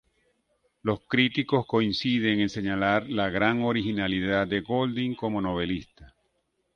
Los críticos coinciden en señalar la gran originalidad de Golding como novelista.